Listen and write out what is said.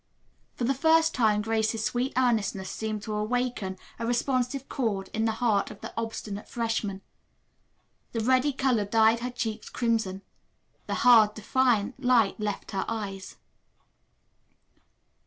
For the first time Grace's sweet earnestness seemed to awaken a responsive chord in the heart of the obstinate freshman. The ready color dyed her cheeks crimson. The hard, defiant light left her eyes.